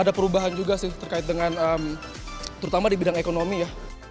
ada perubahan juga sih terkait dengan terutama di bidang ekonomi ya